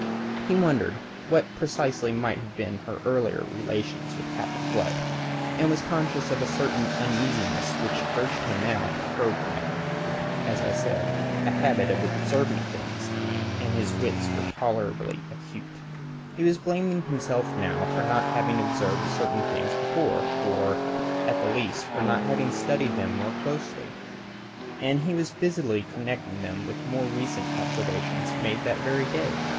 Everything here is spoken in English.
He wondered what precisely might have been her earlier relations with Captain Blood, and was conscious of a certain uneasiness which urged him now to probe the matter. His lordship's pale, dreamy eyes had, as I have said, a habit of observing things, and his wits were tolerably acute. He was blaming himself now for not having observed certain things before, or, at least, for not having studied them more closely, and he was busily connecting them with more recent observations made that very day.